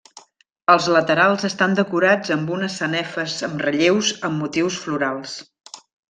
Els laterals estan decorats amb unes sanefes amb relleus amb motius florals.